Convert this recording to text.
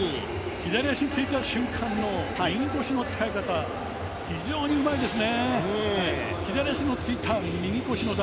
左足でついた瞬間の右腰の使い方が非常にうまいですね。